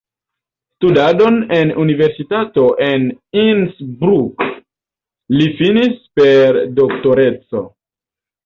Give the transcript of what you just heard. Studadon en universitato en Innsbruck li finis per doktoreco.